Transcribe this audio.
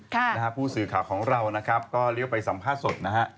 คุณภูมิสื่อของเราก็เรียกไปสัมภาษณ์สดครับ